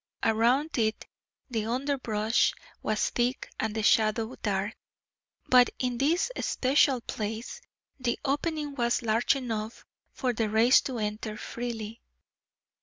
Around it the underbrush was thick and the shadow dark, but in this especial place the opening was large enough for the rays to enter freely.